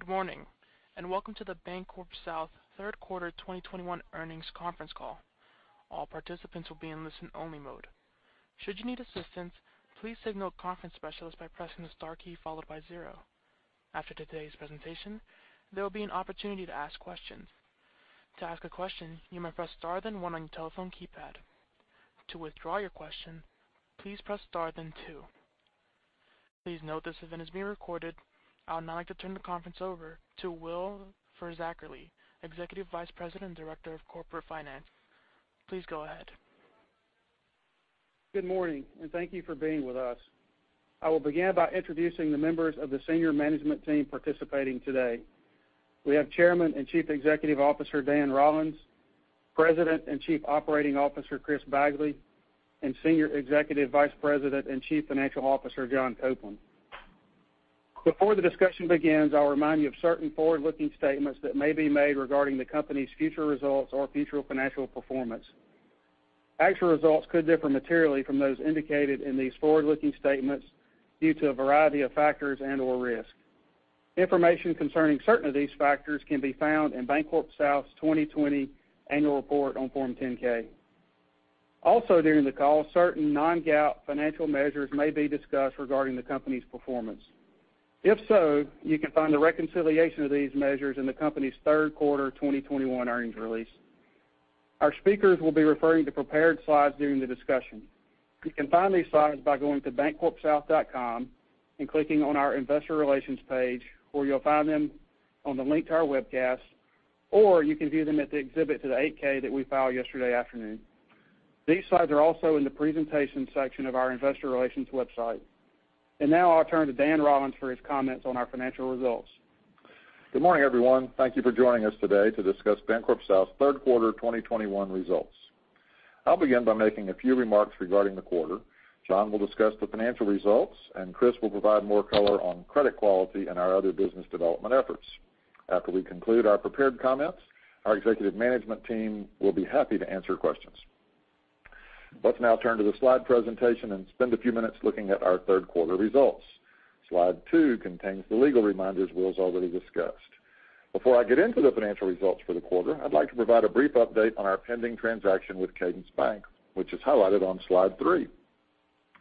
Good morning and welcome to the BancorpSouth third quarter 2021 earnings conference call. All participants will be in listen-only mode. Should you need assistance, please signal a conference specialist by pressing the star key followed by zero. After today's presentation, there will be an opportunity to ask questions. To ask a question, you may press star then one on your telephone keypad. To withdraw your question, please press star then two. Please note this event is being recorded. I would now like to turn the conference over to Will Fisackerly, Executive Vice President and Director of Corporate Finance. Please go ahead. Good morning and thank you for being with us. I will begin by introducing the members of the senior management team participating today. We have Chairman and Chief Executive Officer Dan Rollins, President and Chief Operating Officer Chris Bagley, and Senior Executive Vice President and Chief Financial Officer John Copeland. Before the discussion begins, I'll remind you of certain forward-looking statements that may be made regarding the Company's future results or future financial performance. Actual results could differ materially from those indicated in these forward-looking statements due to a variety of factors and/or risks. Information concerning certain of these factors can be found in BancorpSouth's 2020 Annual Report on Form 10-K. Also during the call, certain non-GAAP financial measures may be discussed regarding the Company's performance. If so, you can find the reconciliation of these measures in the company's third quarter 2021 earnings release. Our speakers will be referring to prepared slides during the discussion. You can find these slides by going to bancorpsouth.com and clicking on our Investor Relations page where you'll find them on the link to our webcast or you can view them at the exhibit to the 8K that we filed yesterday afternoon. These slides are also in the presentation section of our Investor Relations website. Now I'll turn to Dan Rollins for his comments on our financial results. Good morning everyone. Thank you for joining us today to discuss BancorpSouth's third quarter 2021 results. I'll begin by making a few remarks regarding the quarter. John will discuss the financial results and Chris will provide more color on credit quality and our other business development efforts. After we conclude our prepared comments, our executive management team will be happy to answer questions. Let's now turn to the slide presentation and spend a few minutes looking at our third quarter results. Slide 2 contains the legal reminders Will's already discussed. Before I get into the financial results for the quarter, I'd like to provide a brief update on our pending transaction with Cadence Bank which is highlighted on slide 3.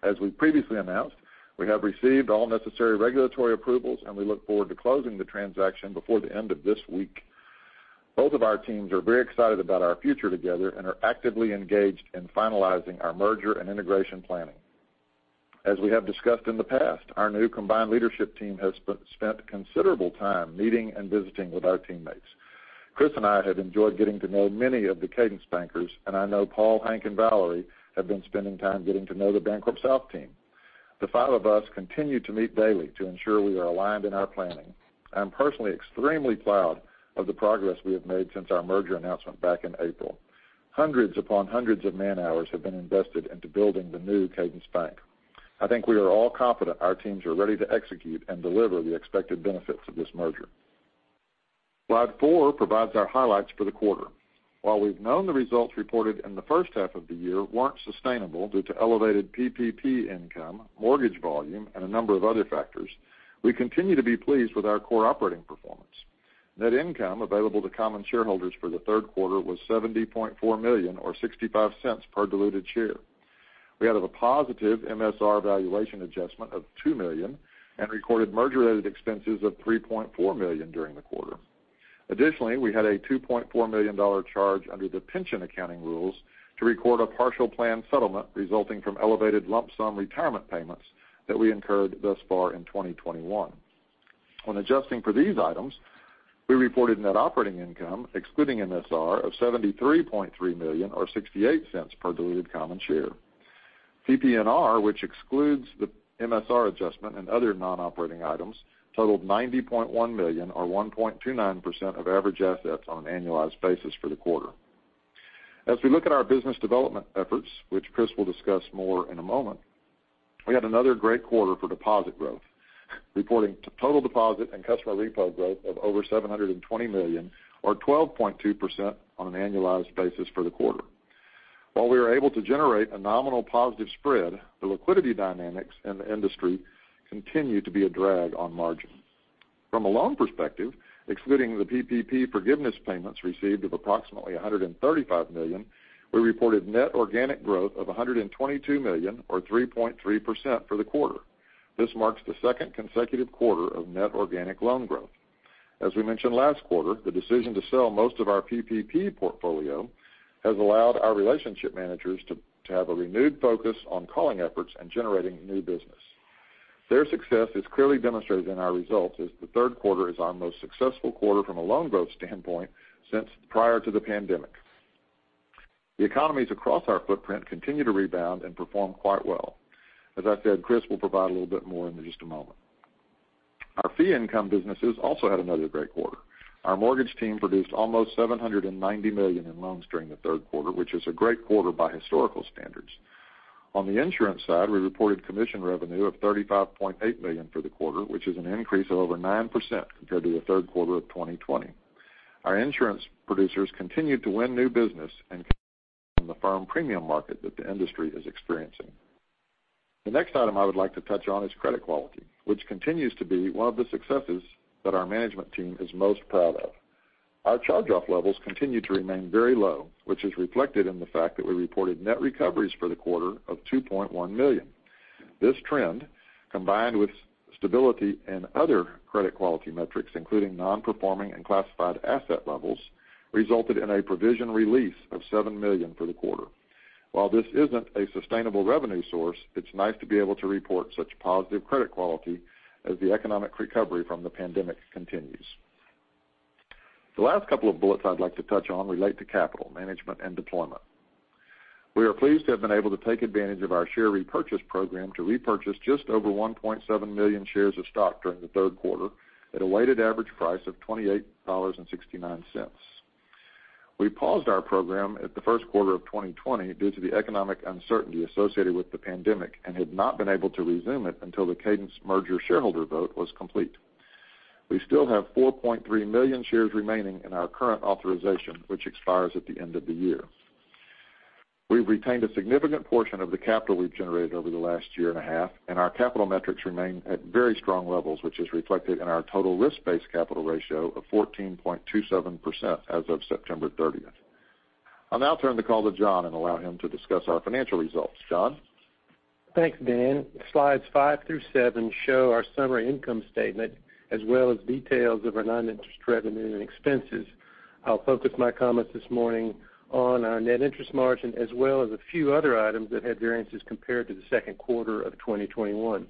As we previously announced, we have received all necessary regulatory approvals and we look forward to closing the transaction before the end of this week. Both of our teams are very excited about our future together and are actively engaged in finalizing our merger and integration planning. As we have discussed in the past, our new combined leadership team has spent considerable time meeting and visiting with our teammates. Chris and I have enjoyed getting to know many of the Cadence bankers and I know Paul, Hank and Valerie and have been spending time getting to know the BancorpSouth team. The five of us continue to meet daily to ensure we are aligned in our planning. I'm personally extremely proud of the progress we have made since our merger announcement back in April. Hundreds upon hundreds of man hours have been invested into building the new Cadence Bank. I think we are all confident our teams are ready to execute and deliver the expected benefits of this merger. Slide 4 provides our highlights for the quarter. While we've shown the results reported in the first half of the year weren't sustainable due to elevated PPP income, mortgage volume and a number of other factors, we continue to be pleased with our core operating performance. Net income available to common shareholders for the third quarter was $70.4 million or $0.65 per diluted share. We had a positive MSR valuation adjustment of $2 million and recorded merger-related expenses of $3.4 million during the quarter. Additionally, we had a $2.4 million charge under the pension accounting rules to record a partial plan settlement resulting from elevated lump sum retirement payments that we incurred thus far in 2021. When adjusting for these items, we reported net operating income excluding MSR of $73.3 million or $0.68 per diluted common share. PPNR, which excludes the MSR adjustment and other non-operating items, totaled $90.1 million or 1.29% of average assets on an annualized basis for the quarter. As we look at our business development efforts, which Chris will discuss more in a moment, we had another great quarter for deposit growth. Reporting total deposit and customer repo growth of over $720 million or 12.2% on an annualized basis for the quarter. While we were able to generate a nominal positive spread, the liquidity dynamics in the industry continue to be a drag on margin. From a loan perspective, excluding the PPP forgiveness payments received of approximately $135 million, we reported net organic growth of $122 million or 3.3% for the quarter. This marks the second consecutive quarter of net organic loan growth. As we mentioned last quarter, the decision to sell most of our PPP portfolio has allowed our relationship managers to have a renewed focus on calling efforts and generating new business. Their success is clearly demonstrated in our results as the third quarter is our most successful quarter from a loan growth standpoint since prior to the pandemic. The economies across our footprint continue to rebound perform quite well. As I said, Chris will provide a little bit more in just a moment. Our fee income businesses also had another great quarter. Our mortgage team produced almost $790 million in loans during the third quarter, which is a great quarter by standards. On the insurance side, we reported commission revenue of $35.8 million for the quarter, which is an increase of over 9% compared to the third quarter of 2020. Our insurance producers continued to win new business and the firm premium market that the industry is experiencing. The next item I would like to touch on is credit quality, which continues to be one of the successes that our management team is most proud of. Our charge-off levels continue to remain very low, which is reflected in the fact that we reported net recoveries for the quarter of $2.1 million. This trend, combined with stability and other credit quality metrics including nonperforming and classified asset levels resulted in a provision release of $7 million for the quarter. While this isn't a sustainable revenue source, it's nice to be able to report such positive credit quality as the economic recovery from the pandemic continues. The last couple of bullets I'd like to touch on relate to capital management and deployment. We are pleased to have been able to take advantage of our share repurchase program to repurchase just over 1.7 million shares of stock during the third quarter at a weighted average price of $28.69. We paused our program at the first quarter of 2020 due to the economic uncertainty associated with the pandemic and had not been able to resume it until the Cadence Merger shareholder vote was complete. We still have 4.3 million shares remaining in our current authorization which expires at the end of the year. We've retained a significant portion of the capital we've generated over the last year and a half and our capital metrics remain at very strong levels, which is reflected in our total risk-based capital ratio of 14.27% as of September 30th. I'll now turn the call to John and allow him to discuss our financial results, John? Thanks Dan. Slides 5 through 7 show our summary income statement as well as details of our noninterest revenue and expenses. I'll focus my comments this morning on our net interest margin as well as a few other items that had variances compared to the second quarter of 2021.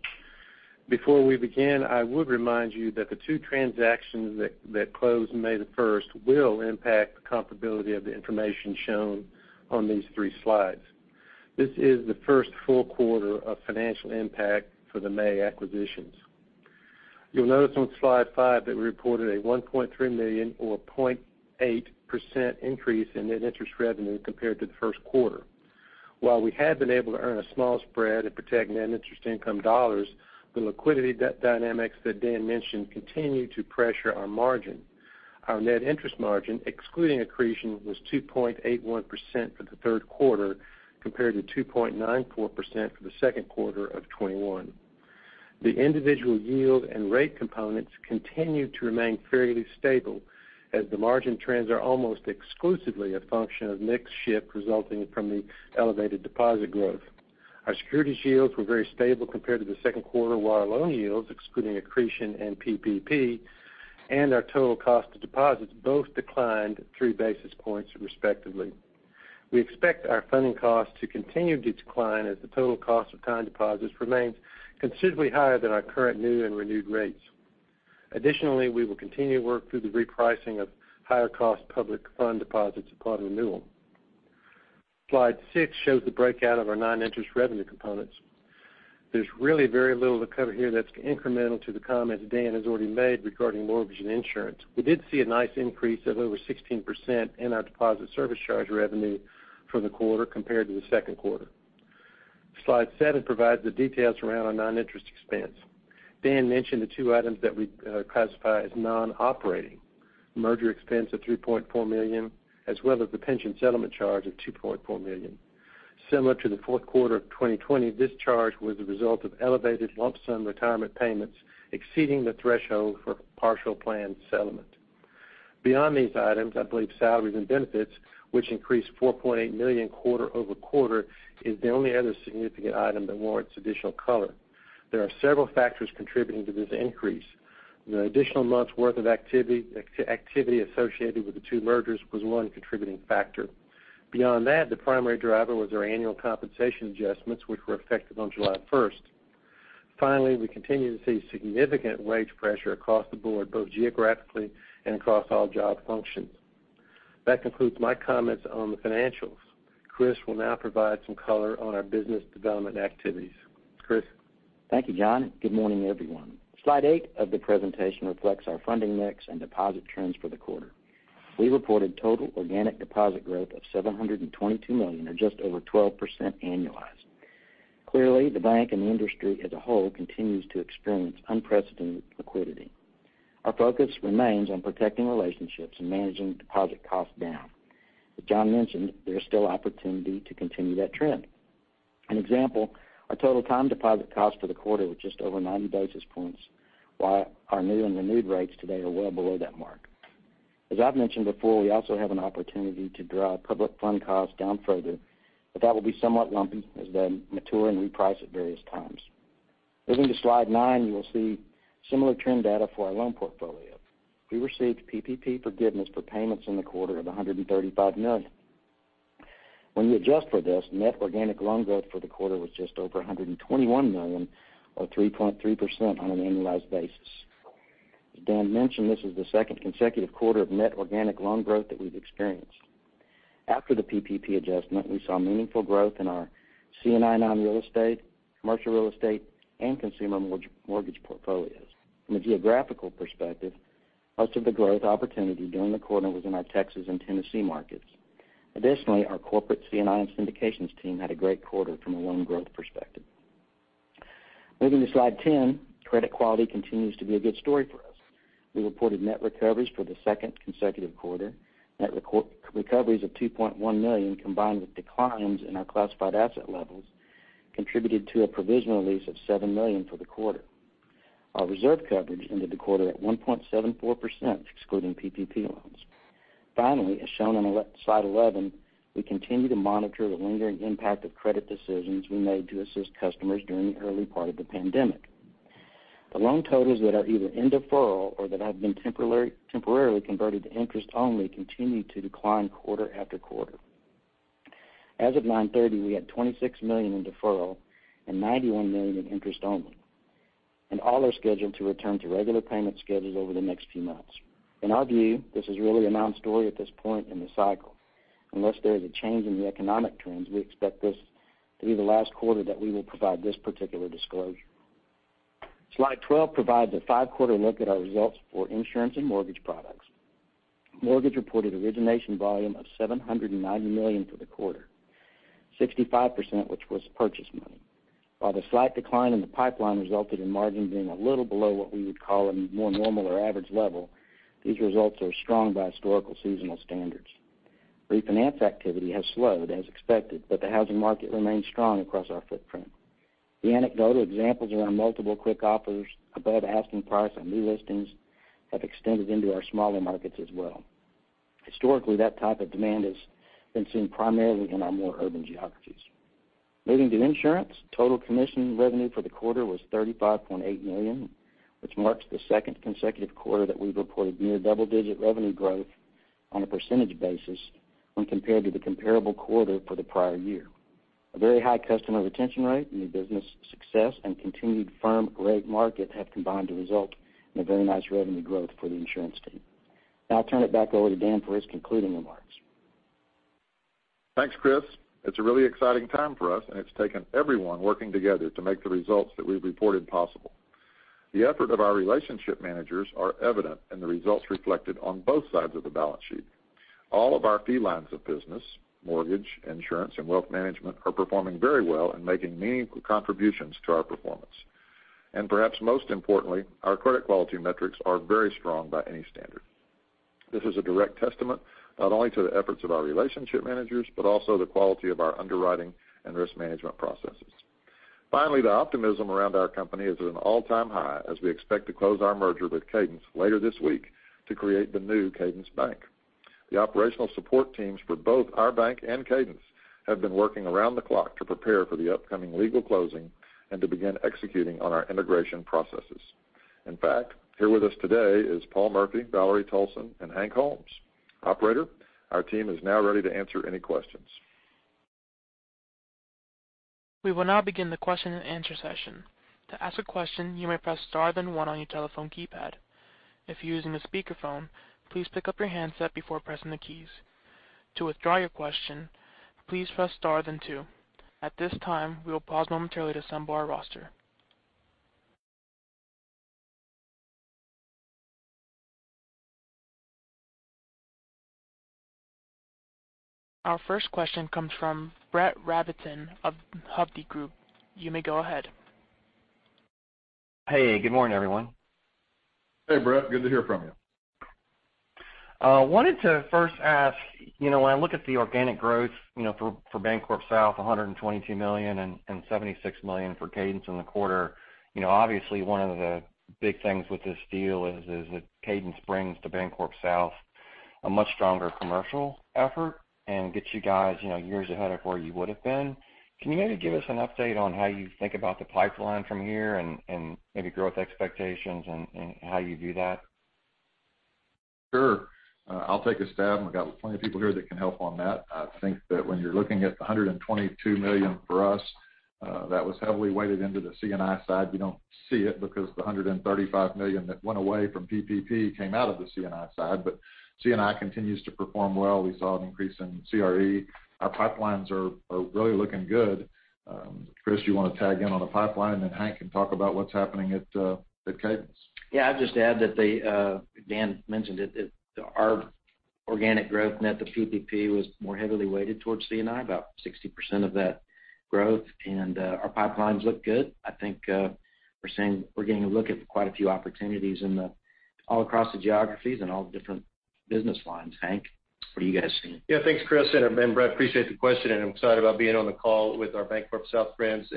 Before we begin, I would remind you that the two transactions that closed May the 1st will impact the comparability of the information shown on these three slides. This is the first full quarter of financial impact for the May acquisitions. You'll notice on slide 5 that we reported a $1.3 million or 0.8% increase in net interest revenue compared to the first quarter. While we have been able to earn a small spread and protect net interest income dollars, the liquidity dynamics that Dan mentioned continue to pressure our margin. Our net interest margin excluding accretion was 2.81% for the third quarter compared to 2.94% for the second quarter of 2021. The individual yield and rate components continue to remain fairly stable as the margin trends are almost exclusively a function of mix shift resulting from the elevated deposit growth. Our securities yields were very stable compared to the second quarter while our loan yields excluding accretion and PPP and our total cost of deposits both declined three basis points respectively. We expect our funding costs to continue to decline as the total cost of time deposits remains considerably higher than our current new and renewed rates. Additionally, we will continue to work through the repricing of higher cost public funds deposits upon renewal. Slide 6 shows the breakout of our noninterest revenue components. There's really very little to cover here that's incremental to the comments Dan has already made regarding mortgage and insurance. We did see a nice increase of over 16% in our deposit service charge revenue for the quarter compared to the second quarter. Slide 7 provides the details around our noninterest expense. Dan mentioned the two items that we classify as non-operating merger expense of $3.4 million as well as the pension settlement charge of $2.4 million. Similar to the fourth quarter of 2020, this charge was a result of elevated lump sum retirement payments exceeding the threshold for partial plan settlement. Beyond these items, I believe salaries and benefits, which increased $4.8 million quarter-over-quarter, is the only other significant item that warrants additional color. There are several factors contributing to this increase. The additional month's worth of activity associated with the two mergers was one contributing factor. Beyond that, the primary driver was our annual compensation adjustments which were effective on July 1st. Finally, we continue to see significant wage pressure across the board both geographically and across all job functions. That concludes my comments on the financials. Chris will now provide some color on our business development activities. Chris? Thank you, John. Good morning, everyone. Slide 8 of the presentation reflects our funding mix and deposit trends for the quarter. We reported total organic deposit growth of $722 million or just over 12% annualized. Clearly, the bank and the industry as a whole continues to experience unprecedented liquidity. Our focus remains on protecting relationships and managing deposit costs down. As John mentioned, there is still opportunity to continue that trend. An example, our total time deposit cost for the quarter was just over 90 basis points, while our new and renewed rates today are well below that mark. As I've mentioned before, we also have an opportunity to drive public fund costs down further, but that will be somewhat lumpy as they mature and reprice at various times. Moving to slide 9, you will see similar trend data for our loan portfolio. We received PPP forgiveness for payments in the quarter of $135 million. When you adjust for this, net organic loan growth for the quarter was just over $121 million or 3.3% on an annualized basis. As Dan mentioned, this is the second consecutive quarter of net organic loan growth that we've experienced. After the PPP adjustment, we saw meaningful growth in our C&I, real estate, commercial real estate and consumer mortgage portfolios. From a geographical perspective, most of the growth opportunity during the quarter was in our Texas and Tennessee markets. Additionally, our corporate, C&I and syndications team had a great quarter from a loan growth perspective. Moving to Slide 10, credit quality continues to be a good story for us. We reported net recoveries for the second consecutive quarter. Net recoveries of $2.1 million combined with declines in our classified asset levels contributed to a provision release of $7 million for the quarter. Our reserve coverage ended the quarter at 1.74% excluding PPP loans. Finally, as shown on slide 11, we continue to monitor the lingering impact of credit decisions we made to assist customers during the early part of the pandemic. The loan totals that are either in deferral or that have been temporarily converted to interest only continue to decline quarter after quarter. As of September 30 we had $26 million in deferral and $91 million in interest only and all are scheduled to return to regular payment schedules over the next few months. In our view, this is really a non-story at this point in the cycle. Unless there is a change in the economic trends, we expect this to be the last quarter that we will provide this particular disclosure. Slide 12 provides a five-quarter look at our results for insurance and mortgage products. Mortgage reported origination volume of $790 million for the quarter, 65% which was purchase money. While the slight decline in the pipeline resulted in margin being a little below what we would call a more normal or average level. These results are strong by historical seasonal standards. Refinance activity has slowed as expected, but the housing market remains strong across our footprint. The anecdotal examples around multiple quick offers above asking price on new listings have extended into our smaller markets as well. Historically, that type of demand has been seen primarily in our more urban geographies. Moving to insurance. Total commission revenue for the quarter was $35.8 million, which marks the second consecutive quarter that we reported near double-digit revenue growth on a percentage basis when compared to the comparable quarter for the prior year. A very high customer retention rate and the business success and continued firm rate market have combined to result in a very nice revenue growth for the insurance team. Now I'll turn it back over to Dan for his concluding remarks. Thanks, Chris. It's a really exciting time for us and it's taken everyone working together to make the results that we've reported possible. The effort of our relationship managers are evident in the results reflected on both sides of the balance sheet. All of our fee lines of business, mortgage, insurance and wealth management are performing very well and making meaningful contributions to our performance. Perhaps most importantly, our credit quality metrics are very strong by any standard. This is a direct testament not only to the efforts of our relationship managers, but also the quality of our underwriting and risk management processes. Finally, the optimism around our company is at an all-time high as we expect to close our merger with Cadence later this week to create the new Cadence Bank. The operational support teams for both our bank and Cadence have been working around the clock to prepare for the upcoming legal closing and to begin executing on our integration processes. In fact, here with us today is Paul Murphy, Valerie Toalson and Hank Holmes. Operator, our team is now ready to answer any questions. We will now begin the question and answer session. To ask a question, you may press star, then one on your telephone keypad. If you are using a speakerphone, please pick up your handset before pressing the keys. To withdraw your question, please press star, then two. At this time, we will pause momentarily to assemble our roster. Our first question comes from Brett Rabatin of Hovde Group. You may go ahead. Hey, good morning everyone. Hey Brett, good to hear from you. I wanted to first ask, you know, when I look at the organic growth, you know, for BancorpSouth, $122 million and $76 million for Cadence in the quarter. You know, obviously one of the big things with this deal is that Cadence brings to BancorpSouth a much stronger commercial effort. Gets you, guys, years ahead of where you would have been. Can you maybe give us an update on how you think about the pipeline from here and maybe growth expectations and how you view that? Sure, I'll take a stab. We've got plenty of people here that can help on that. I think that when you're looking at $122 million for us, that was heavily weighted into the C&I side, we don't see it because the $135 million that went away from PPP, came out of the C&I side. C&I continues to perform well. We saw an increase in CRE. Our pipelines are really looking good. Chris, you want to tag in on a pipeline and then Hank can talk about what's happening at Cadence? Yeah, I'd just add that Dan mentioned it. Our organic growth net, the PPP was more heavily weighted towards C&I, about 60% of that growth, and our pipelines look good. I think we're getting a look at quite a few opportunities all across the geographies and all different business lines. Hank, what are you guys seeing? Yeah, thanks, Chris and Brett. Appreciate the question. I'm excited about being on the call with our BancorpSouth friends.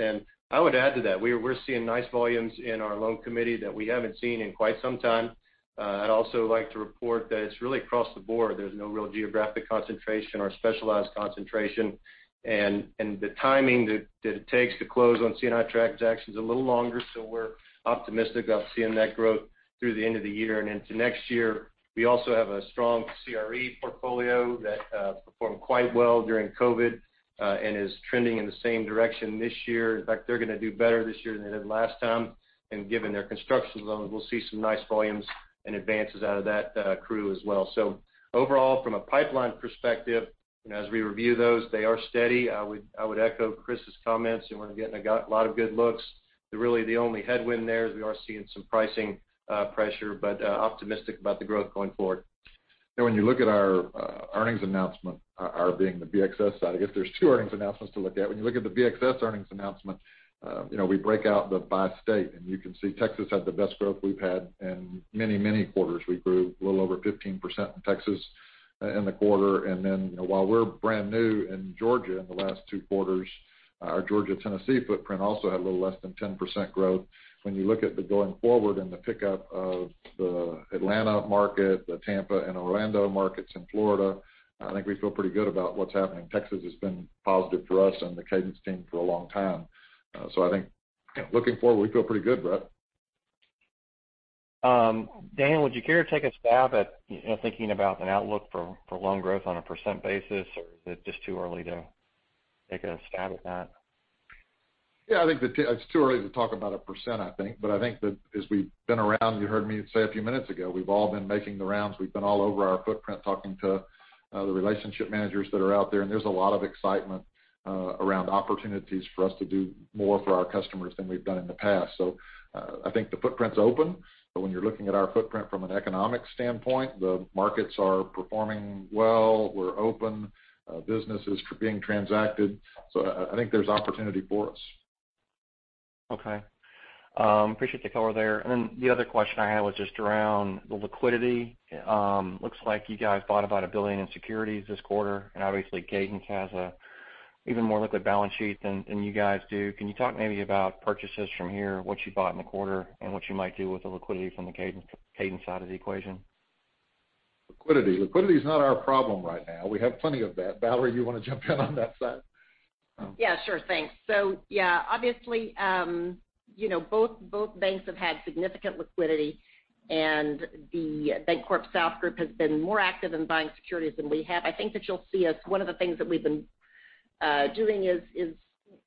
I would add to that, we're seeing nice volumes in our loan committee that we haven't seen in quite some time. I'd also like to report that it's really across the board. There's no real geographic concentration or specialized concentration and the timing that it takes to close on C&I transactions is a little longer. We're optimistic of seeing that growth through the end of the year and into next year. We also have a strong CRE portfolio that performed quite well during COVID and is trending in the same direction this year. In fact, they're going to do better this year than they did last time. Given their construction zone, we'll see some nice volumes and advances out of that crew as well. Overall, from a pipeline perspective, as we review those, they are steady. I would echo Chris' comments, and we're getting a lot of good looks. Really, the only headwind there is, we are seeing some pricing pressure, but optimistic about the growth going forward. When you look at our earnings announcement, or being the BXS side, I guess there's two earnings announcements to look at. When you look at the BXS earnings announcement, you know, we break out the by state, and you can see Texas had the best growth we've had in many, many quarters. We grew a little over 15% in Texas in the quarter. While we're brand new in Georgia. In the last two quarters, our Georgia Tennessee footprint also had a little less than 10% growth. When you look at the going forward the pickup of the Atlanta market, the Tampa and Orlando markets in Florida, I think we feel pretty good about what's happening. Texas has been positive for us and the Cadence team for a long time. I think looking forward, we feel pretty good, Brett. Dan, would you care to take a stab at thinking about an outlook for loan growth on a % basis, or is it just too early to take a stab at that? Yeah, I think it's too early to talk about a percent, I think. I think that as we've been around, you heard me say a few minutes ago, we've all been making the rounds. We've been all over our footprint, talking to the relationship managers that are out there, there's a lot of excitement around opportunities for us to do more for our customers than we've done in the past. I think the footprint's open. When you're looking at our footprint from an economic standpoint, the markets are performing well, we're open, businesses are being transacted. I think there's opportunity for us. Okay. Appreciate the color there. The other question I had was just around the liquidity. Looks like you guys bought about a billion in securities this quarter, and obviously Cadence has even more liquid balance sheet than you guys do. Can you talk maybe about purchases from here. What you bought in the quarter and what you might do with the liquidity from the Cadence side of the equation? Liquidity. Liquidity is not our problem right now. We have plenty of that. Valerie, you want to jump in on that side? Yeah, sure. Thanks. Yeah, obviously both banks have had significant liquidity, and the BancorpSouth has been more active in buying securities than we have. I think that you'll see us. One of the things that we've been doing is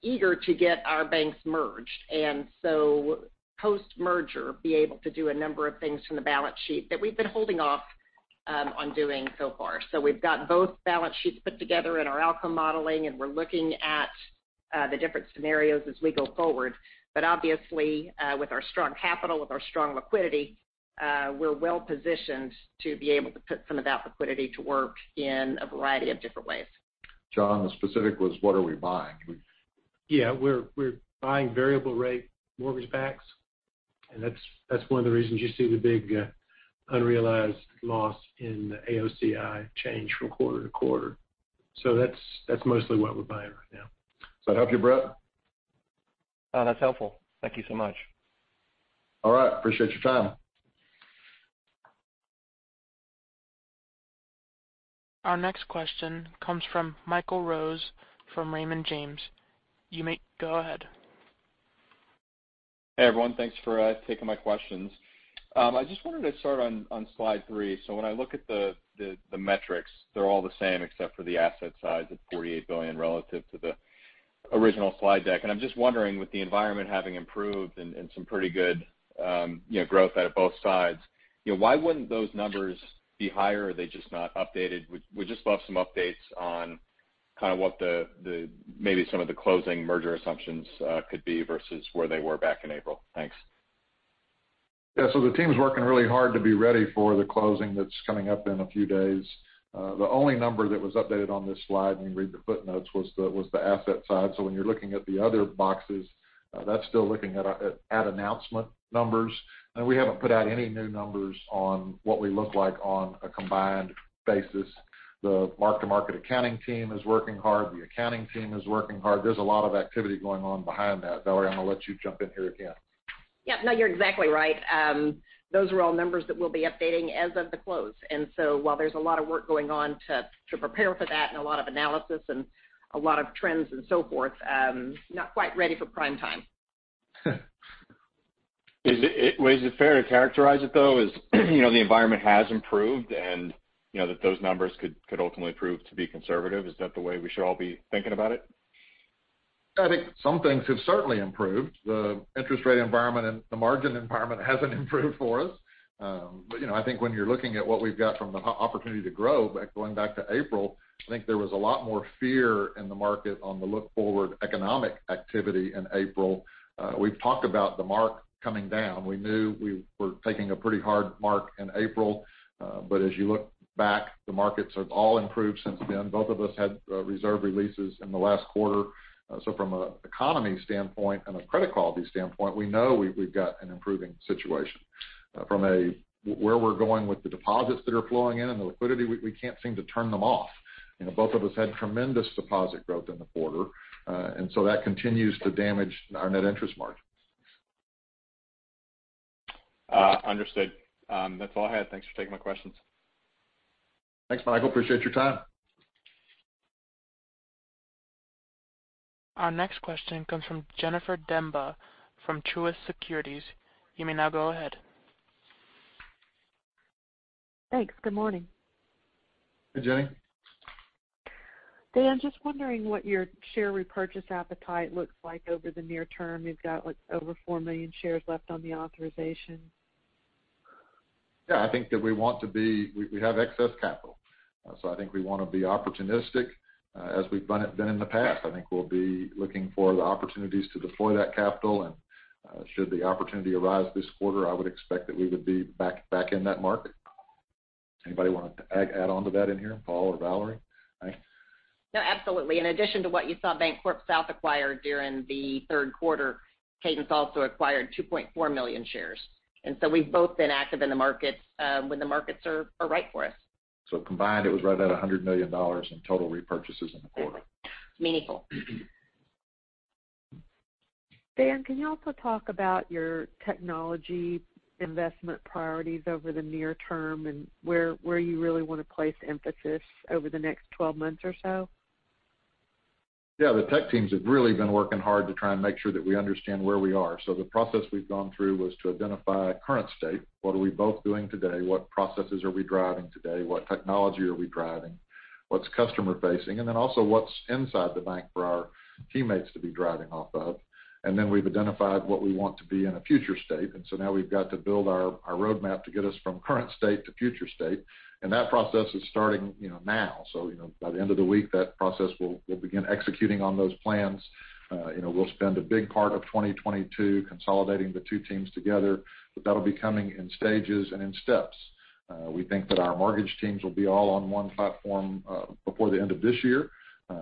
eager to get our banks merged and so post merger, be able to do a number of things from the balance sheet that we've been holding off on doing so far. We've got both balance sheets put together in our outcome modeling, and we're looking at the different scenarios as we go forward. Obviously, with our strong capital, with our strong liquidity, we're well positioned to be able to put some of that liquidity to work in a variety of different ways. John, the specific was what are we buying? Yeah, we're buying variable rate mortgage backs. That's one of the reasons you see the big unrealized loss in AOCI change from quarter to quarter. That's mostly what we're buying right now. Does that help you, Brett? That's helpful. Thank you so much. All right, appreciate your time. Our next question comes from Michael Rose from Raymond James, you may go ahead. Hey everyone, thanks for taking my questions. I just wanted to start on slide 3. When I look at the metrics, they're all the same except for the asset size at $48 billion relative to the original slide deck. I'm just wondering, with the environment having improved and some pretty good growth out of both sides, why wouldn't those numbers be higher or are they just not updated? We'd just love some updates on kind of what maybe some of the closing merger assumptions could be versus where they were back in April. Thanks. Yeah, the team's working really hard to be ready for the closing that's coming up in a few days. The only number that was updated on this slide and you read the footnotes was the asset side. When you're looking at the other BXS, that's still looking at announcement numbers. We haven't put out any new numbers on what we look like on a combined basis. The mark-to-market accounting team is working hard. The accounting team is working hard. There's a lot of activity going on behind that. Valerie, I'm going to let you jump in here again. Yeah, no, you're exactly right. Those are all numbers that we'll be updating as of the close. While there's a lot of work going on to prepare for that and a lot of analysis and a lot of trends and so forth, not quite ready for prime time. Is it fair to characterize it though as you know, the environment has improved and you know that those numbers could ultimately prove to be conservative. Is that the way we should all be thinking about it? I think some things have certainly improved. The interest rate environment and the margin environment hasn't improved for us. You know, I think when you're looking at what we've got from the opportunity to grow going back to April, I think there was a lot more fear in the market on the outlook for economic activity in April. We've talked about the mark coming down. We knew we were taking a pretty hard mark in April. As you look back, the markets have all improved since then. Both of us had reserve releases in the last quarter from an economy standpoint and a credit quality standpoint, we know we've got an improving situation from where we're going with the deposits that are flowing in and the liquidity, we can't seem to turn them off. Both of us had tremendous deposit growth in the quarter, and so that continues to damage our net interest margin. Understood. That's all I had. Thanks for taking my questions. Thanks, Michael appreciate your time. Our next question comes from Jennifer Demba from Truist Securities. You may now go ahead. Thanks. Good morning. Hi Jenny. Dan, just wondering what your share repurchase appetite looks like over the near term. You've got, let's say, over four million shares left on the authorization. Yeah, I think that we want to be, we have excess capital, so I think we want to be opportunistic as we've been in the past. I think we'll be looking for the opportunities to deploy that capital. Should the opportunity arise this quarter, I would expect that we would be back in that market. Anybody want to add on to that in here, Paul or Valerie? Hank? No, absolutely. In addition to what you saw BancorpSouth acquire during the third quarter, Cadence also acquired 2.4 million shares. We've both been active in the market when the markets are right for us. Combined it was right at $100 million in total repurchases in the quarter. Meaningful. Dan, can you also talk about your technology investment priorities over the near term and where you really want to place emphasis over the next 12 months or so? Yeah, the tech teams have really been working hard to try and make sure that we understand where we are. The process we've gone through was to identify current state. What are we both doing today? What processes are we driving today? What technology are we driving? What's customer facing, and then also what's inside the bank for our teammates to be driving off of. We've identified what we want to be in a future state. Now we've got to build our roadmap to get us from current state to future state. That process is starting now. By the end of the week, that process will begin executing on those plans. We'll spend a big part of 2022 consolidating the two teams together, but that'll be coming in stages and in steps. We think that our mortgage teams will be all on one platform before the end of this year.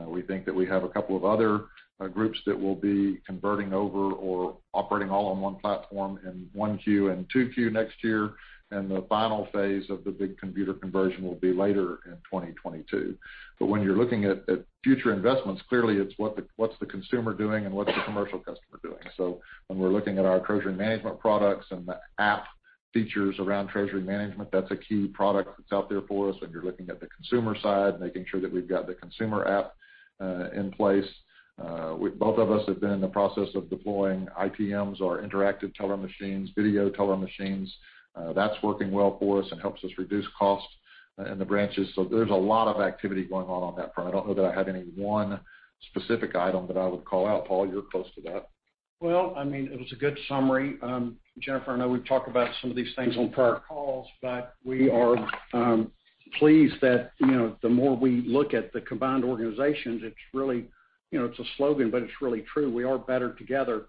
We think that we have a couple of other groups that will be converting over or operating all on one platform in 1Q and 2Q next year. The final phase of the big computer conversion will be later in 2020. When you're looking at future investments, clearly it's what's the consumer doing and what's the commercial customer doing? When we're looking at our treasury management products and the app features around treasury management, that's a key product that's out there for us. When you're looking at the consumer side, making sure that we've got the consumer app in place. Both of us have been in the process of deploying ITMs or interactive teller machines, video teller machines. That's working well for us and helps us reduce cost and the branches. There's a lot of activity going on that front. I don't know that I have any one specific item that I would call out. Paul, you're close to that. Well, I mean it was a good summary, Jennifer. I know we've talked about some of these things on prior calls, but we are pleased that, you know, the more we look at the combined organizations, it's really, you know, it's a slogan but it's really true. We are better together.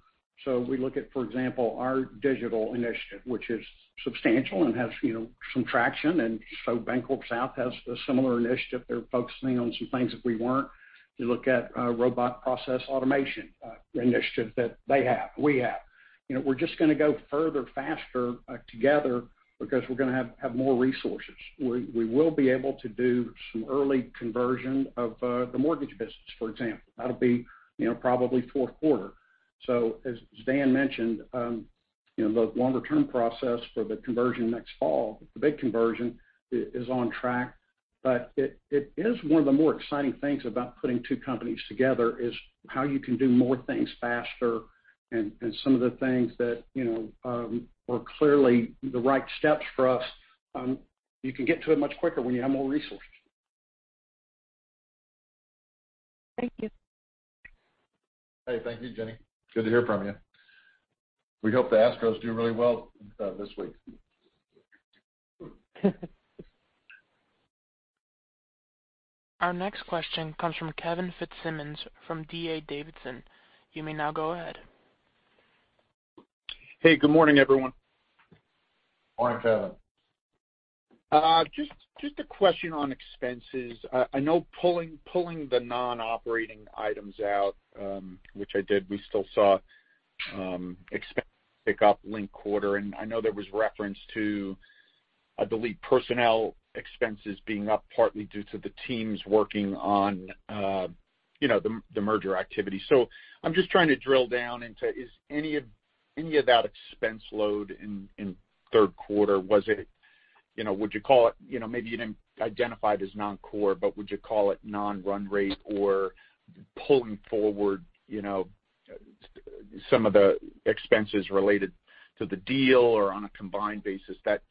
We look at for example, our digital initiative which is substantial and has, you know, some traction. BancorpSouth has a similar initiative. They're focusing on some things that we weren't, you look at robotic process automation initiative that they have, we have. You know, we're just going to go further faster together because we're going to have more resources. We will be able to do some early conversion of the mortgage business, for example. That'll be, you know, probably fourth quarter. As Dan mentioned, the longer term process for the conversion next fall, the big conversion is on track, but it is one of the more exciting things about putting two companies together is how you can do more things faster. Some of the things that are clearly the right steps for us, you can get to it much quicker when you have more resources. Thank you. Hey, thank you, Jennifer. Good to hear from you. We hope the Astros do really well this week. Our next question comes from Kevin Fitzsimmons from D.A. Davidson. You may now go ahead. Hey, good morning everyone. Good morning, Kevin. Just a question on expenses. I know pulling the non operating items out, which I did, we still saw expense pick up linked quarter and I know there was reference to I believe personnel expenses being up partly due to the teams working on, you know, the merger activity. I'm just trying to drill down into is any of that expense load in third quarter, was it, you know, would you call it, you know, maybe you didn't identify it as non core but would you call it non run rate or pulling forward some of the expenses related to the deal, or on a combined basis, that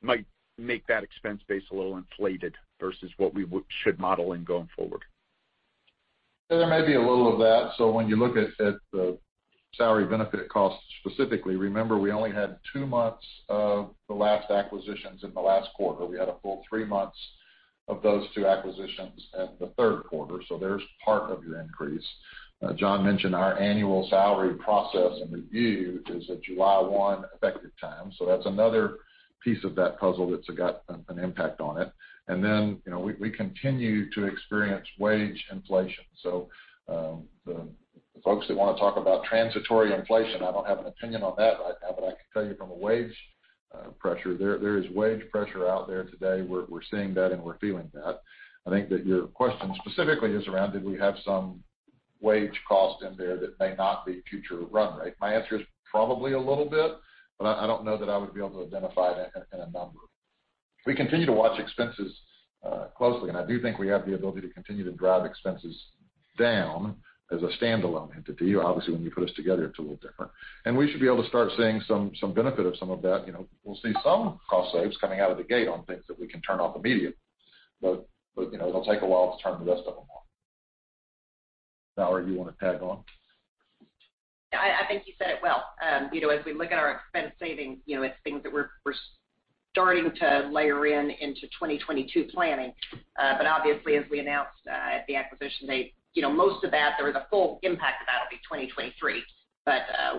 might make that expense base a little inflated versus what we should model in going forward. There may be a little of that. When you look at the salary benefit costs specifically, remember we only had two months of the last acquisitions in the last quarter. We had a full three months of those two acquisitions in the third quarter. There's part of your increase. John mentioned our annual salary process and review is a July 1 effective time. That's another piece of that puzzle that's got an impact on it. Then we continue to experience wage inflation. Folks that want to talk about transitory inflation, I don't have an opinion on that right now, but I can tell you from a wage inflation pressure. There is wage pressure out there today. We're seeing that, and we're feeling that. I think that your question specifically is around, did we have some wage cost in there that may not be future run rate? My answer is probably a little bit. I don't know that I would be able to identify it in a number. We continue to watch expenses closely, and I do think we have the ability to continue to drive expenses down as a standalone entity. Obviously, when you put us together, it's a little different, and we should be able to start seeing some benefit of some of that. We'll see some cost savings coming out of the gate on things that we can turn off immediately, but you know. It'll take a while to turn the rest of them off. Valerie, you want to tag on? I think you said it well, you know, as we look at our expense savings, you know, it's things that we're starting to layer in into 2022 planning. Obviously, as we announced at the acquisition date, you know, most of that or the full impact of that will be 2023.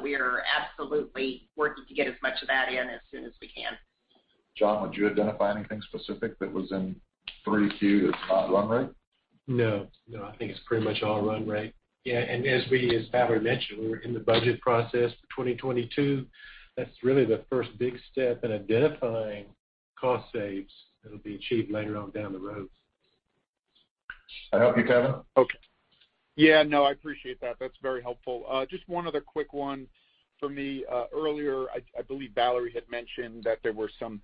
We are absolutely working to get as much of that in as soon as we can. John, would you identify anything specific that was in 3Q that's not run rate? No, no, I think it's pretty much all run rate. Yeah, as Valerie mentioned, we were in the budget process for 2022. That's really the first big step in identifying cost savings that will be achieved later on down the road. That help you, Kevin? Okay. Yeah. No, I appreciate that. That's very helpful. Just one other quick one for me. Earlier, I believe Valerie had mentioned that there were some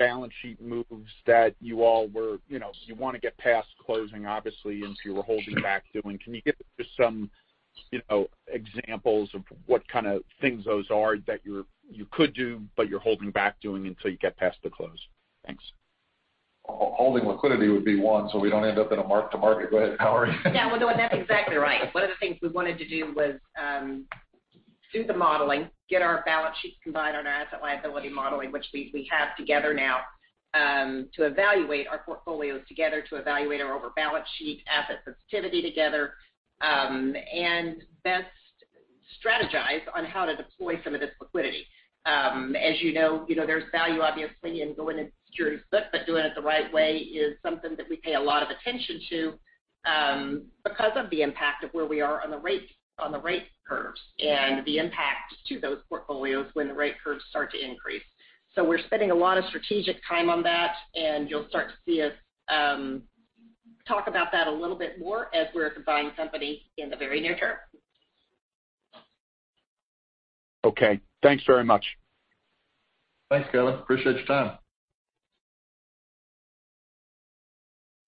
balance sheet moves that you all were, you know, you want to get past closing obviously, and so you were holding back doing. Can you give some, you know, examples of what kind of things those are that you could do but you're holding back doing until you get past the close. Thanks. Holding liquidity would be one, so we don't end up in a mark to market. Go ahead, Valerie. Yeah, well, no, that's exactly right. One of the things we wanted to do was to do the modeling, get our balance sheets combined on our asset-liability modeling which we have together now to evaluate our portfolios together to evaluate our overall balance sheet asset sensitivity together and best strategize on how to deploy some of this liquidity. As you know, there's value obviously in going into, but doing it the right way is something that we pay a lot of attention to because of the impact of where we are on the rates on the rate curves and the impact to those portfolios when the rate curves start to increase. We're spending a lot of strategic time on that and you'll start to see us talk about that a little bit more as we're a combined company in the very near term. Okay, thanks very much. Thanks Kevin. Appreciate your time.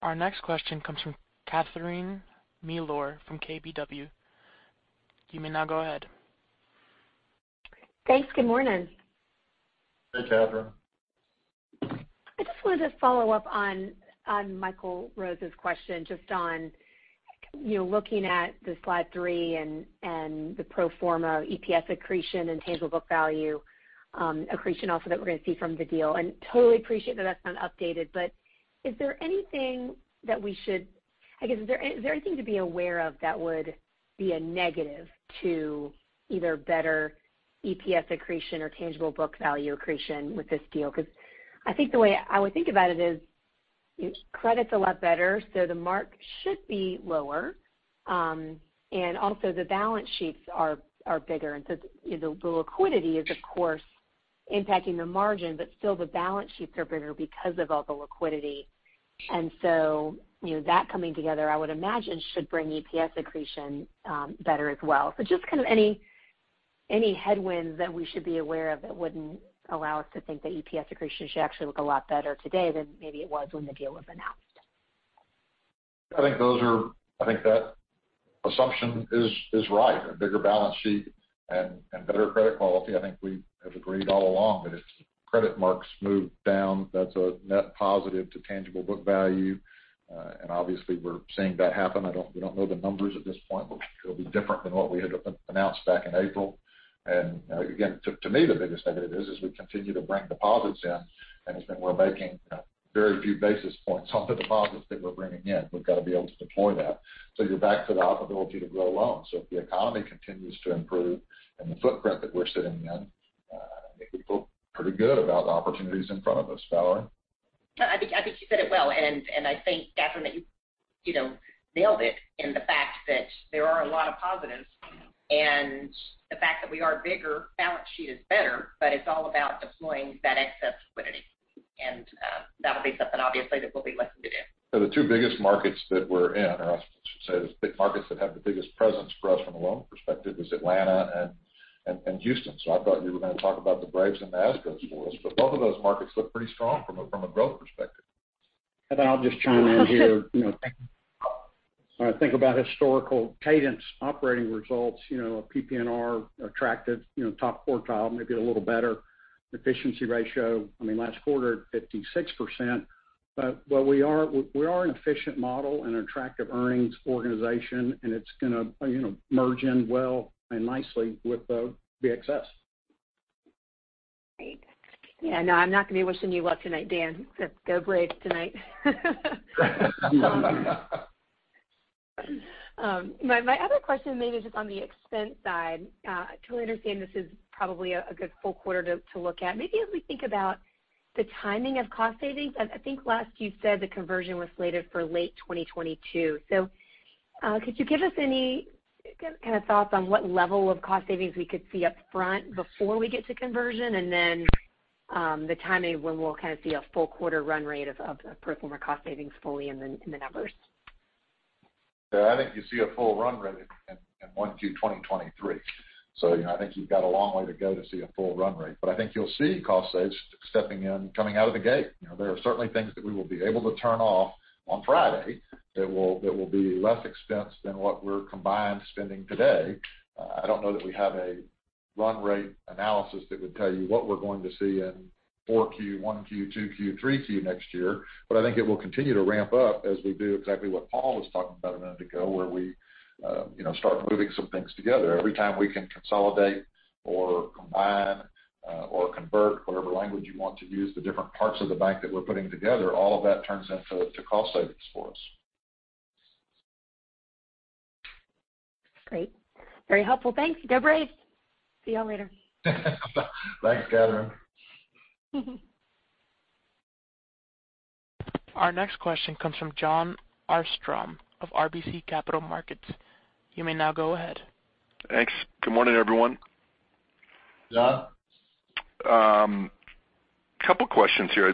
Our next question comes from Catherine Mealor from KBW. You may now go ahead. Thanks. Good morning. Hey Catherine. I just wanted to follow up on Michael Rose's question. Just on looking at the slide 3 and the pro forma EPS accretion and tangible book value accretion offer that we're going to see from the deal and totally appreciate that that's not updated, but is there anything that we should I guess is there anything to be aware of that would be a negative to either better EPS accretion or tangible book value creation with this deal? Because I think the way I would think about it is credit is a lot better so the mark should be lower and also the balance sheets are and the liquidity is of course impacting the margin but still the balance sheets are bigger because of all the liquidity. That coming together I would imagine should bring EPS accretion better as well. Just kind of any headwinds that we should be aware of that wouldn't allow us to think that EPS accretion should actually look a lot better today than maybe it was when the deal was announced. I think that assumption is right. A bigger balance sheet and better credit quality. I think we have agreed all along that it's credit marks move down. That's a net positive to tangible book value and obviously we're seeing that happen. We don't know the numbers at this point, but it'll be different than what we had announced back in April. To me the biggest negative is we continue to bring deposits in. We're making very few basis points on the deposits that we're bringing in. We've got to be able to deploy that. You're back to the loans. If the economy continues to improve the footprint that we're sitting in. We feel pretty good about opportunities in front of us, Valerie. I think you said it well and I think, Catherine, that you nailed it in the fact that there are a lot of positives and the fact that we are bigger, balance sheet is better. It's all about deploying that excess liquidity and that will be something obviously that we'll be looking to do. The two biggest markets that we're in, I should say the markets that have the biggest presence for us from a loan perspective is Atlanta and Houston. I thought you were going to talk about the Braves and the Astros for us, but both of those markets look pretty strong from a growth perspective. I'll just chime in here. Think about historical Cadence operating results, PPNR attractive, top quartile, maybe a little better efficiency ratio. I mean last quarter 56%. We are an efficient model and an attractive earnings organization and it's going to merge in well and nicely with BXS. Yeah, no, I'm not going to be wishing you luck tonight, Dan. Go Braves tonight. My other question maybe just on the expense side, I totally understand this is probably a good full quarter to look at maybe as we think about the timing of cost savings. I think last you said the conversion was slated for late 2022. Could you give us any kind of thoughts on what level of cost savings we could see up front before we get to conversion and then the timing when we'll kind of see a full quarter run rate of pro forma cost savings fully in the numbers. I think you see a full run rate in 1Q 2023. I think you've got a long way to go to see a full run rate. I think you'll see cost savings stepping in coming out of the gate. There are things that we will be able to turn off on Friday that will be less expensive than what we're currently spending today. I don't know that we have a run rate analysis that would tell you what we're going to see in 4Q, 1Q, 2Q, 3Q next year. I think it will continue to ramp up as we do exactly what Paul was talking about a minute ago, where we start moving some things together. Every time we can consolidate or combine or convert whatever language you want to use, the different parts of the bank that we're putting together, all of that turns into cost savings for us. Great. Very helpful. Thanks. Go Braves. See you all later. Thanks, Catherine. Our next question comes from Jon Arfstrom of RBC Capital Markets. You may now go ahead. Thanks. Good morning, everyone. Hey, John. A couple questions here.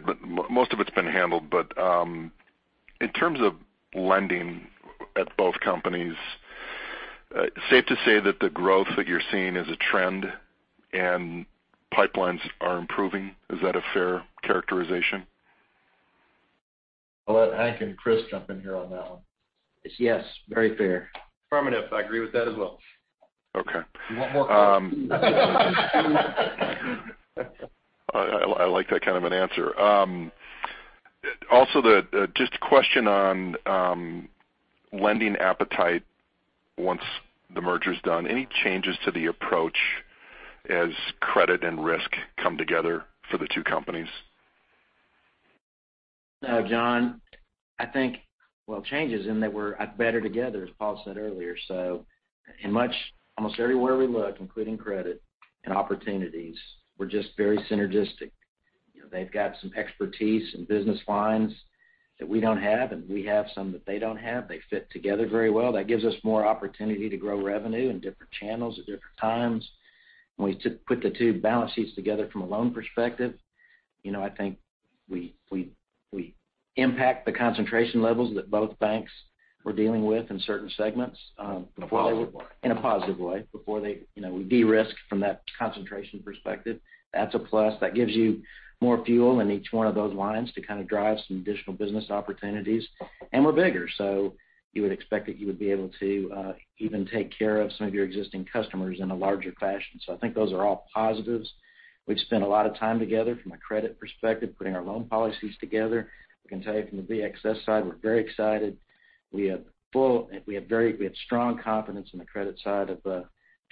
Most of it's been handled, but in terms of lending at both companies, safe to say that the growth that you're seeing is a trend and pipelines are improving. Is that a fair characterization? I'll let Hank and Chris jump in here on that one. It's yes, very fair. Affirmative. I agree with that as well. Okay. I like that kind of an answer. Just a question on lending appetite. Once the merger is done, any changes to the approach as credit and risk come together for the two companies? No, John, I think, well, changes in that we're better together, as Paul said earlier. In almost everywhere we look, including credit and opportunities, we're just very synergistic. They've got some expertise and business lines that we don't have, and we have some that they don't have. They fit together very well. That gives us more opportunity to grow revenue in different channels at different times. We put the two balance sheets together from a loan perspective. You know, I think, we impact the concentration levels that both banks were dealing with in certain segments in a positive way before they, you know, we de-risk from that concentration perspective, that's a plus. That gives you more fuel in each one of those lines to kind of drive some additional business opportunities. We're bigger, so you would expect that you would be able to even take care of some of your existing customers in a larger fashion. I think those are all positives. We've spent a lot of time together from a credit perspective putting our loan policies together. I can tell you from the BXS side, we're very excited. We have strong confidence in the credit side of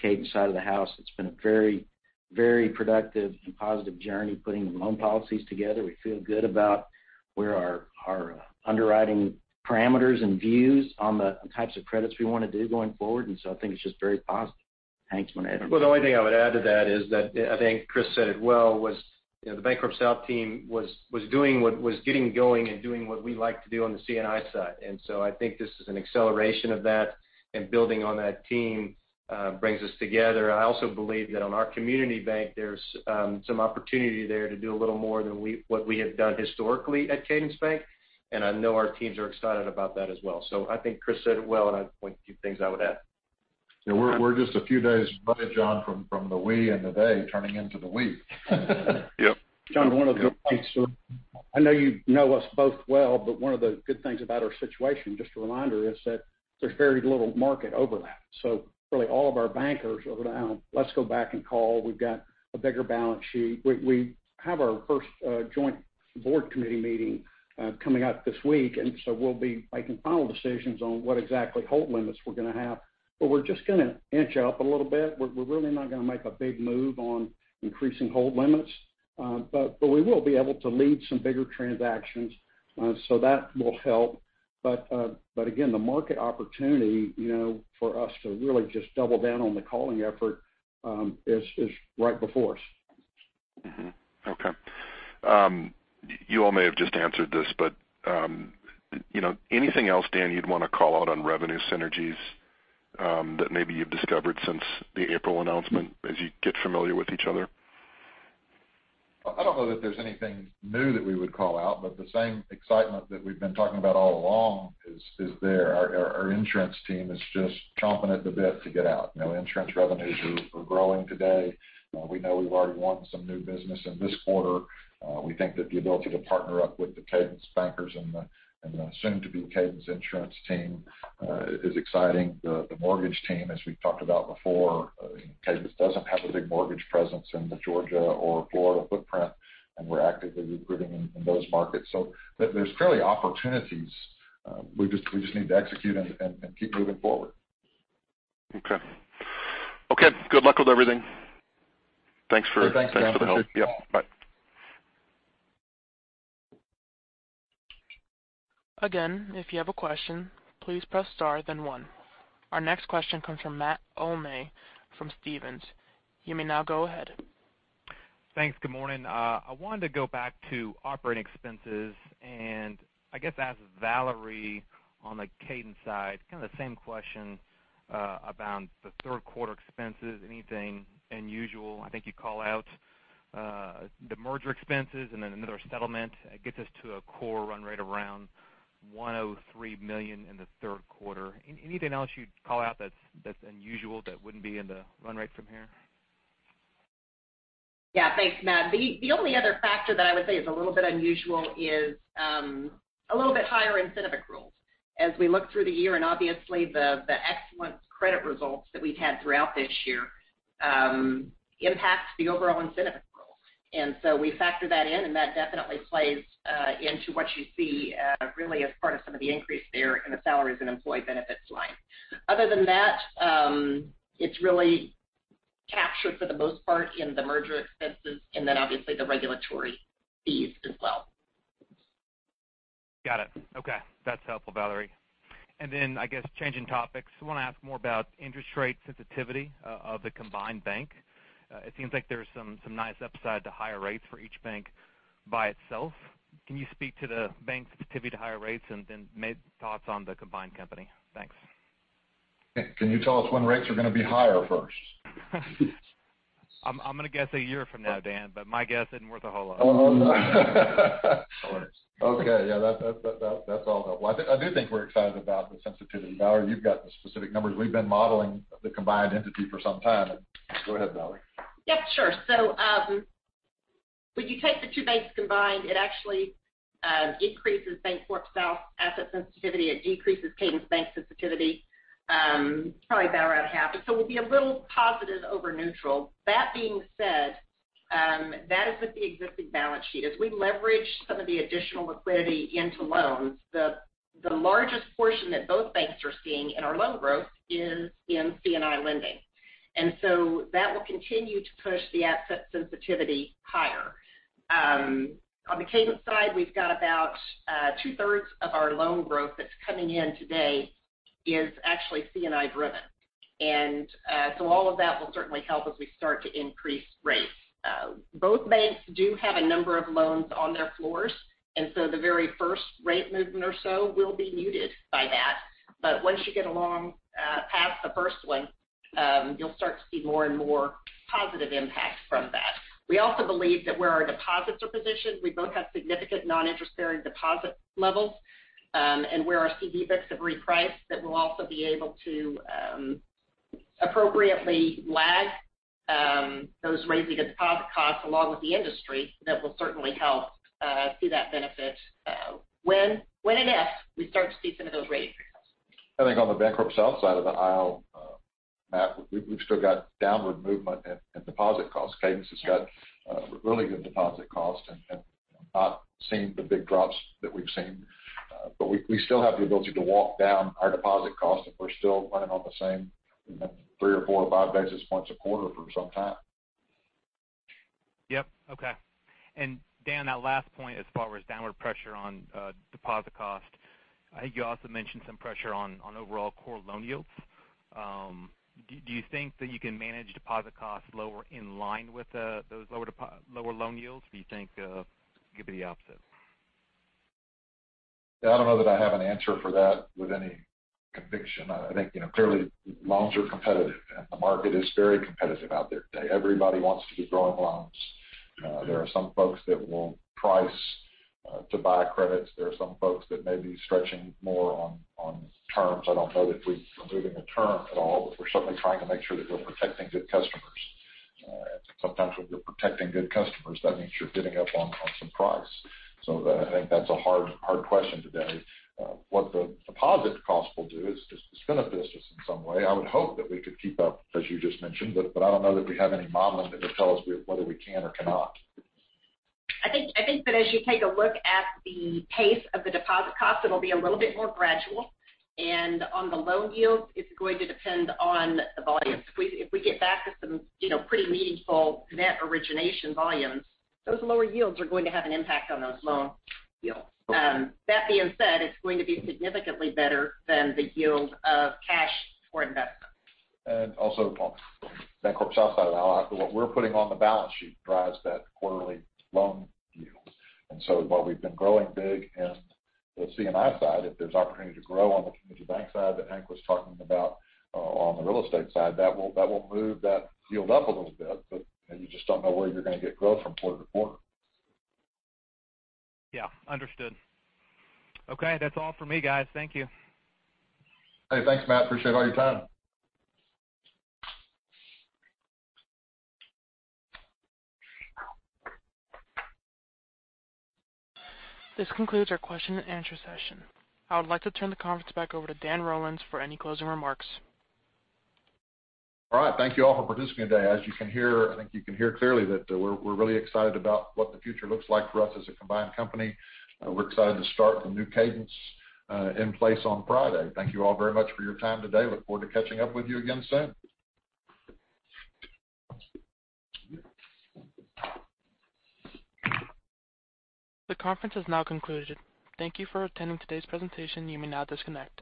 Cadence side of the house. It's been a very, very productive and positive journey putting the loan policies together. We feel good about where our underwriting parameters and views on the types of credits we want to do going forward. I think it's just very positive. Hank, do you want to add anything? Well, the only thing I would add to that is that I think Chris said it well was the BancorpSouth team was doing what was getting going and doing what we like to do on the C&I side. I think this is an acceleration of that and building on that team brings us together. I also believe that on our community bank, there's some opportunity there to do a little more than what we have done historically at Cadence Bank. I know our teams are excited about that as well. I think Chris said it well. I point to things I would add. We're just a few days away, John, from the we and the they turning into the we. Yep. John, one of the things, I know you know us both well, but one of the good things about our situation, just a reminder, is that there's very little market overlap. Really, all of our bankers are now. Let's go back and call. We've got a bigger balance sheet. We have our first joint board committee meeting coming up this week, and so we'll be making final decisions on what exactly hold limits we're going to have. We're just going to inch up a little bit. We're really not going to make a big move on increasing hold limits, but we will be able to lead some bigger transactions, so that will help. Again, the market opportunity for us to really just double down on the calling effort is right before us. Okay, you all may have just answered this, but anything else, Dan, you'd want to call out on revenue synergies that maybe you've discovered since the April announcement as you get familiar with each other? I don't know that there's anything new that we would call out, but the same excitement that we've been talking about all along is there. Our insurance team is just chomping at the bit to get out. Insurance revenues are growing today. We know we've already written some new business in this quarter. We think that the ability to partner up with the Cadence bankers and the the soon-to-be Cadence insurance team is exciting. The mortgage team, as we talked about before, Cadence doesn't have a big mortgage presence in the Georgia or Florida footprint, and we're actively recruiting in those markets. There's clearly opportunities we just need to execute and keep moving forward. Okay. Okay. Good luck with everything. Thanks for the help. Thanks, John. Yeah, bye. Again, if you have a question, please press star, then one. Our next question comes from Matt Olney from Stephens. You may now go ahead. Thanks. Good morning. I wanted to go back to operating expenses and I guess ask Valerie on the Cadence side. Kind of the same question about the third quarter expenses. Anything unusual, I think you call out the merger expenses, and then another settlement. Gets us to a core run rate of around $103 million in the third quarter. Anything else you'd call out that's unusual? That wouldn't be in the run rate from here. Yeah, thanks Matt. The only other factor that I would say is a little bit unusual is a little bit higher incentive accrual as we look through the year. Obviously the excellent credit results that we've had throughout this year impacts the overall incentive pool. We factor that in and that definitely plays into what you see really as part of some of the increase there in the salaries and employee benefits line. Other than that, it's really captured for the most part in the merger expenses and then obviously the regulatory fees as well. Got it. Okay, that's helpful Valerie. I guess changing topics, I want to ask more about interest rate sensitivity of the combined bank. It seems like there's some nice upside to higher rates for each bank by itself. Can you speak to the bank sensitivity to higher rates and then thoughts on the combined company? Thanks. Can you tell us when rates are going to be higher first? I'm going to guess a year from now, Dan, but my guess isn't worth a whole lot. Okay. Yeah, that's all I do think we're excited about the sensitivity. Valerie, you've got the specific numbers. We've been modeling the combined entity for some time. Go ahead, Valerie. Yep, sure. When you take the two banks combined, it actually increases BancorpSouth asset sensitivity. It decreases Cadence Bank sensitivity probably about half. We'll be a little positive over neutral. That being said, that is with the existing balance sheet as we leverage some of the additional liquidity into loans. The largest portion that both banks are seeing in our loan growth is in C&I lending and that will continue to push the asset sensitivity higher. On the Cadence side, we've got about 2/3 of our loan growth that's coming in today is actually C&I driven and all of that will certainly help as we start to increase rates. Both banks do have a number of loans on their floors and the very first rate movement or so will be muted by that. Once you get along past the first one, you'll start to see more and more positive impact from that. We also believe that where our deposits are positioned we both have significant non interest bearing deposit levels and where our CD books have repriced that we'll also be able to appropriately lag those raising of deposit costs along with the industry. That will certainly help see that benefit when and if we start to see some of those rate. I think on the BancorpSouth side of the aisle, Matt, we've still got downward movement and deposit costs. Cadence has got really good deposit cost not seeing the big drops that we've seen. We still have the ability to walk down our deposit cost if we're still running on the same 3 basis points or 4 basis points or 5 basis points a quarter for some time. Yep. Okay. Dan, that last point, as far as downward pressure on deposit cost, I think you also mentioned some pressure on overall core loan yields. Do you think that you can manage deposit costs lower in line with those lower loan yields, do you think could be the opposite? I don't know that I have an answer for that with any conviction. I think, you know, clearly loans are competitive and the market is very competitive out there today. Everybody wants to be growing loans. There are some folks that will price to buy credits. There are some folks that may be stretching more on terms. I don't know that we are moving a term at all, but we're certainly trying to make sure that we're protecting good customers. Sometimes when you're protecting good customers, that means you're bidding up on some price. I think that's a hard question today. What the deposit cost will do is just benefit us in some way. I would hope that we could keep up as you just mentioned, but I don't know that we have any moment that will tell us whether we can or cannot. I think that as you take a look at the pace of the deposit cost, it will be a little bit more gradual. On the loan yield, it's going to depend on the volume. If we get back to some, you know, pretty meaningful net origination volumes, those lower yields are going to have an impact on those loan yields. That being said, it's going to be significantly better than the yield of cash for investments. And also for BancorpSouth side, we're putting on the balance sheet drives that quarterly loan yield while we've been growing big in the C&I side, if there's opportunity to grow on the community bank side that Hank was talking about on the real estate side, that will move that yield up a little bit. You just don't know where you're going to get growth from quarter-to-quarter. Yeah, understood. Okay. That's all for me, guys. Thank you. Hey, thanks, Matt. Appreciate all your time. This concludes our question and answer session. I would like to turn the conference back over to Dan Rollins for any closing remarks. All right. Thank you all for participating today. As you can hear, I think you can hear clearly that we're really excited about what the future looks like for us as a combined company. We're excited to start the new Cadence in place on Friday. Thank you all very much for your time today. Look forward to catching up with you again soon. The conference has now concluded. Thank you for attending today's presentation. You may now disconnect.